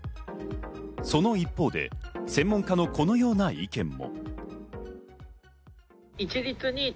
その一方で、専門家のこのような意見も。